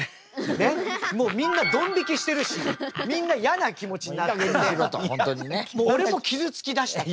ねっもうみんなドン引きしてるしみんなやな気持ちになっててもう俺も傷つきだしたと。